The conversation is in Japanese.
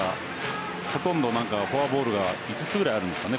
ほとんどフォアボールが５つぐらいあるんですかね